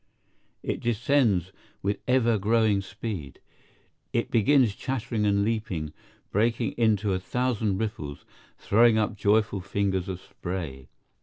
It descends with ever growing speed. It begins chattering and leaping, breaking into a thousand ripples, throwing up joyful fingers of spray.